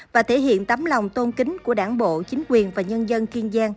và thể hiện tấm lòng tôn kính của đảng bộ chính quyền và nhân dân kiên giang